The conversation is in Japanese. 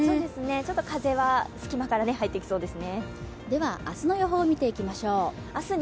ちょっと風は隙間から入ってきそうですね。